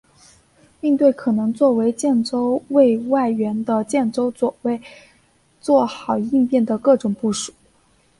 并对可能作为建州卫外援的建州左卫作好应变的各种部署。